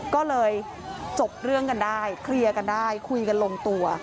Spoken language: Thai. ก็เลยจบเรื่องกันได้เคลียร์กันได้คุยกันลงตัว